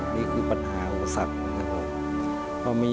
นี่คือปัญหาอุปสรรคนะครับ